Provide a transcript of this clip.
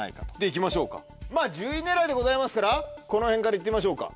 行きましょうかまぁ１０位狙いでございますからこの辺から行ってみましょうか。